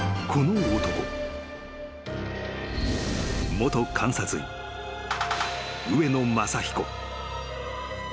［元監察医上野正彦］